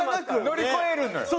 乗り越えるのよ。